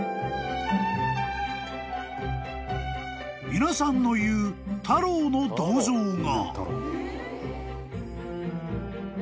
［皆さんの言うタローの銅像が］